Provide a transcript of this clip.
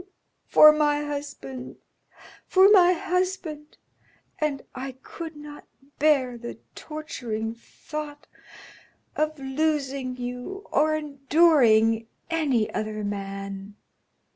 for my husband for my husband, and I could not bear the torturing thought of losing you or enduring any other man.